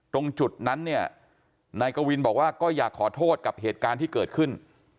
ตรงจุดนั้นเนี่ยนายกวินบอกว่าก็อยากขอโทษกับเหตุการณ์ที่เกิดขึ้น